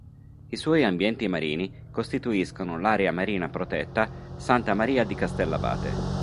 I suoi ambienti marini costituiscono l'area marina protetta Santa Maria di Castellabate.